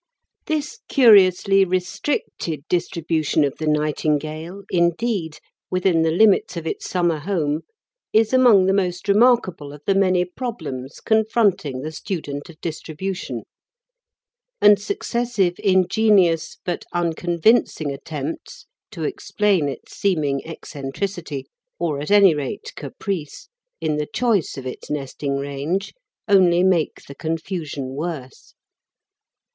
This curiously restricted distribution of the nightingale, indeed, within the limits of its summer home is among the most remarkable of the many problems confronting the student of distribution, and successive ingenious but unconvincing attempts to explain its seeming eccentricity, or at any rate caprice, in the choice of its nesting range only make the confusion worse.